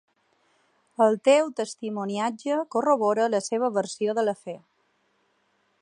El teu testimoniatge corrobora la seva versió de l'afer.